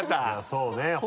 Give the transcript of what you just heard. そうね。